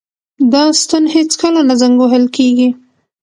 دا ستن هیڅکله نه زنګ وهل کیږي.